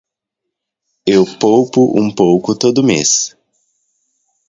Eu poupo um pouco todo mês.